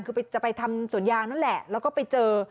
คือจะไปทำสวนยางนั่นแหละแล้วก็ไปเจอ